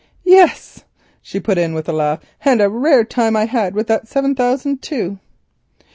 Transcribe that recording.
"Yes," she put in with a laugh, "and a rare time I had with that seven thousand too."